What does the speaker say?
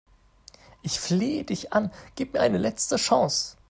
Ich flehe dich an, gib mir eine letzte Chance!